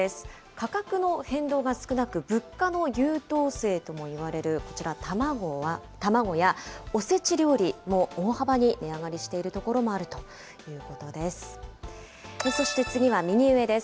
価格の変動が少なく、物価の優等生ともいわれるこちら、卵や、おせち料理も大幅に値上がりしているところもあるということです。